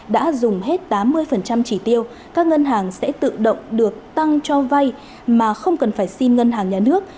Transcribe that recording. đã dùng hết tám mươi chỉ tiêu các ngân hàng sẽ tự động được tăng cho vay mà không cần phải xin ngân hàng nhà nước